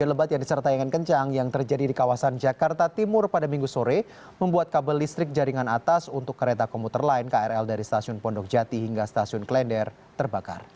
hujan lebat yang disertai angin kencang yang terjadi di kawasan jakarta timur pada minggu sore membuat kabel listrik jaringan atas untuk kereta komuter lain krl dari stasiun pondok jati hingga stasiun klender terbakar